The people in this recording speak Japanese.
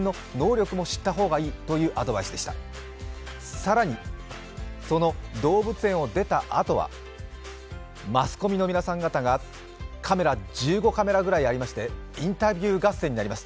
更に、その動物園を出たあとは、マスコミの皆さん方がカメラ１５台くらいありまして、インタビュー合戦になります。